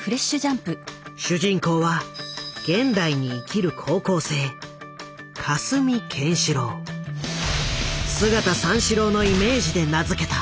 主人公は現代に生きる高校生「姿三四郎」のイメージで名付けた。